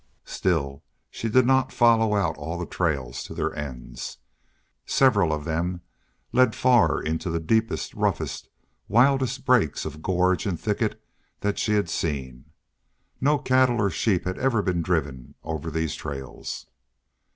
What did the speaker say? Still, she did not follow out all the trails to their ends. Several of them led far into the deepest, roughest, wildest brakes of gorge and thicket that she had seen. No cattle or sheep had ever been driven over these trails.